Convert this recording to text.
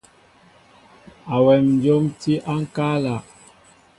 Awem njóm tí na ŋkala.